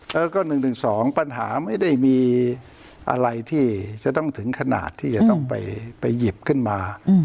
แล้วก็๑๑๒ปัญหาไม่ได้มีอะไรที่จะต้องถึงขนาดที่จะต้องไปหยิบขึ้นมา